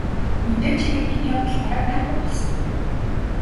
Мэдээж хэрэг энэ явдал бараг байхгүй болсон.